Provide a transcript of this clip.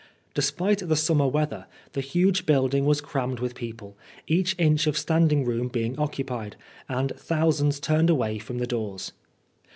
Despite the summer weather, the huge building wa» crammed with people, every inch of standing room being occupied, and thousands turned away from the doors.